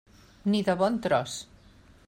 Ni de bon tros.